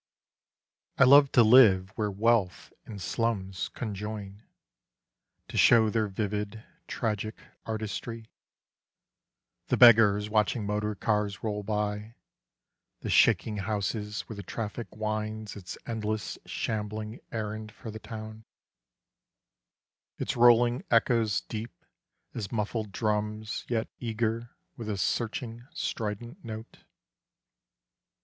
18 London. I love to live where wealth and slums conjoin To show their vivid tragic artistry : The beggars watching motor cars roll by, The shaking houses where the traffic winds Its endless shambling errand for the town — Its rolling echoes deep as muffled drums Yet eager, with a searching strident note.